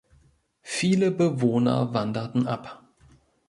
Viele Bewohner wanderten ab.